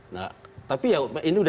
nah tapi ya ini udah